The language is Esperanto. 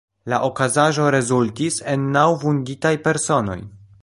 La okazaĵo rezultis en naŭ vunditaj personoj.